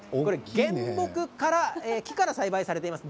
原木から木から栽培されています。